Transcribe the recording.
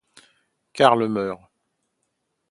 Karl meurt.